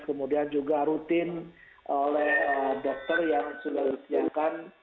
kemudian juga rutin oleh dokter yang sudah disiapkan